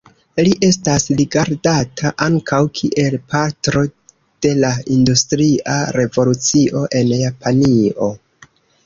Li estas rigardata ankaŭ kiel patro de la industria revolucio en Japanio.